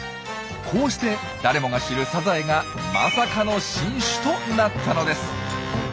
こうして誰もが知るサザエがまさかの新種となったのです。